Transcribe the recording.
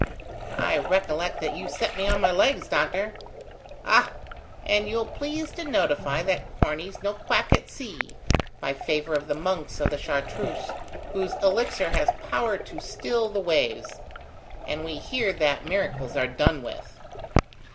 "I recollect that you set me on my legs, doctor." "Ah! and you'll please to notify that Corney's no quack at sea, by favour of the monks of the Chartreuse, whose elixir has power to still the waves. And we hear that miracles are done with!"